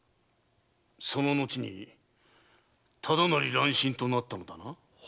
そののちに忠成乱心となったのだな。